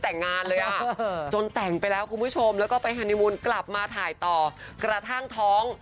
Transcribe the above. แต่งงานเลยอ่ะจนแต่งไปแล้วคุณผู้ชมแล้วก็ไปฮานีมูลกลับมาถ่ายต่อกระทั่งท้อง